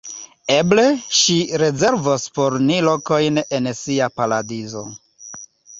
Eble ŝi rezervos por ni lokojn en sia paradizo.